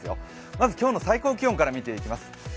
まず今日の最高気温から見ていきます。